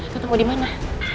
kau tau gue dimana